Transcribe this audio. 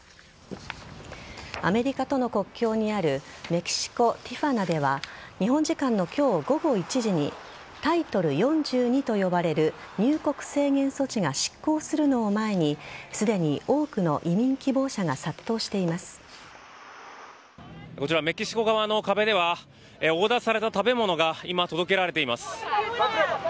アメリカとの国境にあるメキシコ・ティフアナでは日本時間の今日午後１時にタイトル４２と呼ばれる入国制限措置が失効するのを前にすでに多くの移民希望者がこちら、メキシコ側の壁ではオーダーされた食べ物が今届けられています。